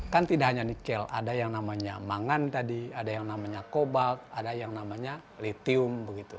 kan tidak hanya nikel ada yang namanya mangan tadi ada yang namanya kobalt ada yang namanya litium begitu